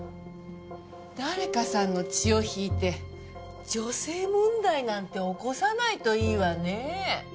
誰かさんの血を引いて女性問題なんて起こさないといいわね。